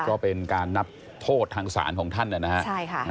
ก็เป็นการนับโทษทางสารของท่านเนี่ยนะฮะใช่ค่ะ